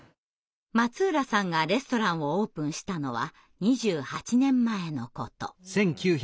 松浦さんがレストランをオープンしたのは２８年前のこと。